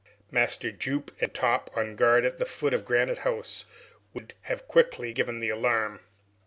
Master Jup and Top, on guard at the foot of Granite House, would have quickly given the alarm.